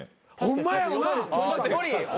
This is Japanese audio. ホンマやな。